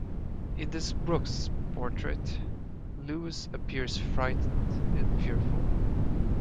In this Brooks' portrait, Lewis appears frightened and fearful.